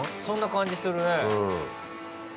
そんな感じするね。